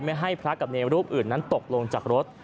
ไม่ให้พระกับเนรรูปอื่นนั้นตกลงจากรถ